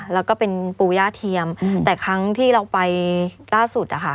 แล้วก็เป็นปูย่าเทียมแต่ครั้งที่เราไปล่าสุดอะค่ะ